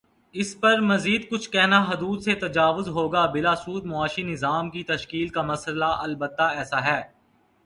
اس پر مزیدکچھ کہنا حدود سے تجاوز ہوگا بلاسود معاشی نظام کی تشکیل کا مسئلہ البتہ ایسا ہے۔